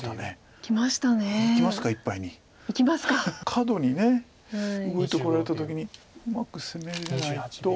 カドに動いてこられた時にうまく攻めれないと。